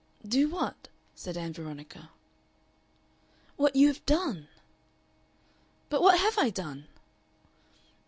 "Do what?" said Ann Veronica. "What you have done." "But what have I done?"